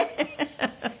フフフフ。